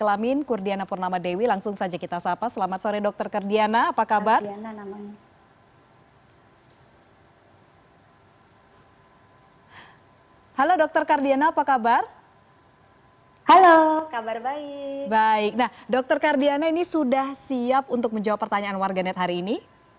baik nah dokter kardiana ini sudah siap untuk menjawab pertanyaan warganet hari ini